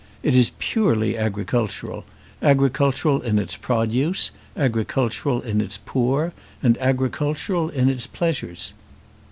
It is purely agricultural; agricultural in its produce, agricultural in its poor, and agricultural in its pleasures.